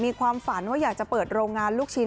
มีความฝันว่าอยากจะเปิดโรงงานลูกชิ้น